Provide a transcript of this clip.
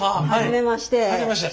初めまして。